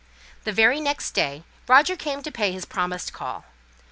The very next day, Roger came to pay his promised call.